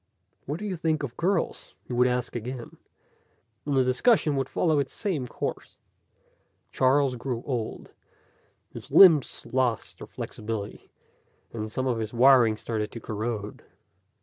"What do you think of girls?" he would ask again, and the discussion would follow its same course. Charles grew old. His limbs lost their flexibility, and some of his wiring started to corrode.